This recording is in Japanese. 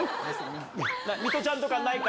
ミトちゃんとかないか？